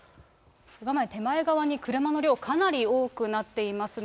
画面手前側に車の量、かなり多くなっていますね。